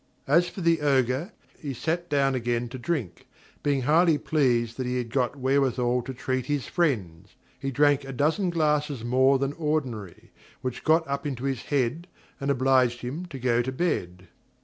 As for the Ogre, he sat down again to drink, being highly pleased that he had got wherewithal to treat his friends. He drank a dozen glasses more than ordinary, which got up into his head, and obliged him to go to bed.